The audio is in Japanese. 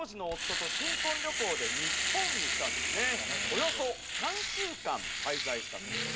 およそ３週間滞在したそうです。